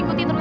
ma bangun ma